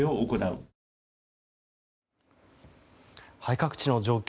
各地の状況